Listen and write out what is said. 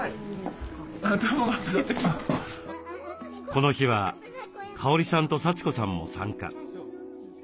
この日はかおりさんとさちこさんも参加。